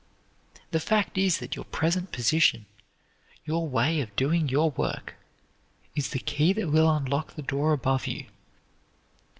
The fact is that your present position, your way of doing your work, is the key that will unlock the door above you.